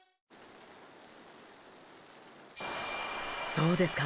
そうですか。